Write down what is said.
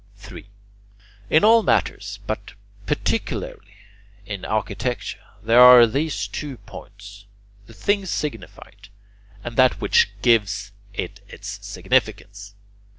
3. In all matters, but particularly in architecture, there are these two points: the thing signified, and that which gives it its significance.